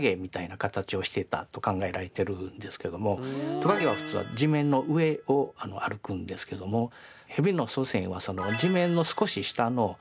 トカゲは普通地面の上を歩くんですけどもヘビの祖先は地面の少し下の落ち葉の下あたりですね